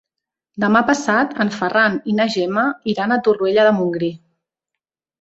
Demà passat en Ferran i na Gemma iran a Torroella de Montgrí.